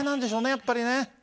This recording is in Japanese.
やっぱりね。